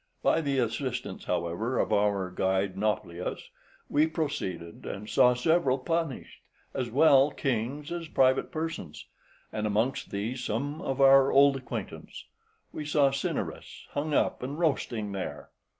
By the assistance, however, of our guide, Nauplius, we proceeded, and saw several punished, {135a} as well kings as private persons, and amongst these some of our old acquaintance; we saw Cinyrus, {135b} hung up and roasting there.